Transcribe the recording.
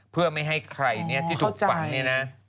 เพื่อไม่ให้ใครที่ถูกฝังเนี่ยนะ